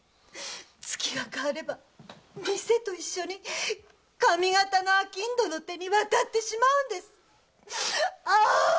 月が変われば店と一緒に上方の商人の手に渡ってしまうんです！